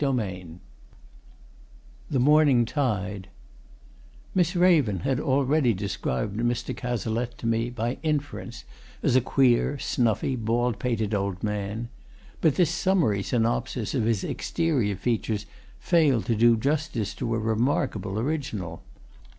CHAPTER III THE MORNING TIDE Miss Raven had already described Mr. Cazalette to me, by inference, as a queer, snuffy bald pated old man, but this summary synopsis of his exterior features failed to do justice to a remarkable original.